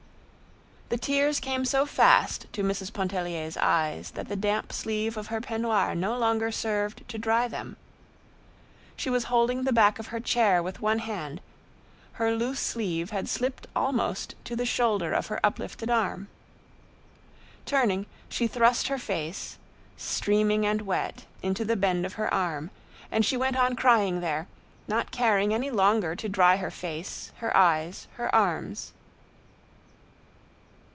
The tears came so fast to Mrs. Pontellier's eyes that the damp sleeve of her peignoir no longer served to dry them. She was holding the back of her chair with one hand; her loose sleeve had slipped almost to the shoulder of her uplifted arm. Turning, she thrust her face, steaming and wet, into the bend of her arm, and she went on crying there, not caring any longer to dry her face, her eyes, her arms.